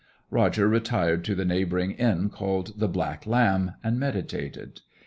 Roger retired to the neighbouring inn called the Black Lamb, and meditated.